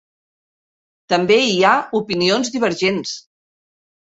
També hi ha opinions divergents.